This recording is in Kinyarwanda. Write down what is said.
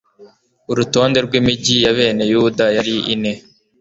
urutonde rw'imigi ya bene yuda yari ine